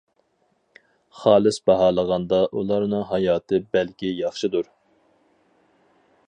خالىس باھالىغاندا ئۇلارنىڭ ھاياتى بەلكى ياخشىدۇر.